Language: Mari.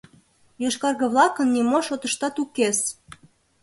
Йошкарге-влакын нимо шотыштат укес.